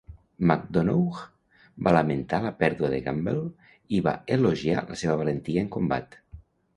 Macdonough va lamentar la pèrdua de Gamble i va elogiar la seva valentia en combat.